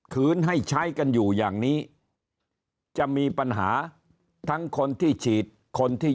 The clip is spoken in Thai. คืนให้ใช้กันอยู่อย่างนี้จะมีปัญหาทั้งคนที่ฉีดคนที่